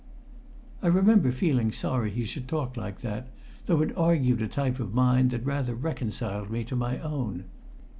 I remember feeling sorry he should talk like that, though it argued a type of mind that rather reconciled me to my own.